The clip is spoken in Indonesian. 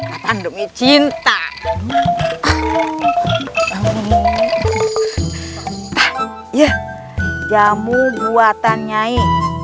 epandemi cinta pijamu buatan nyai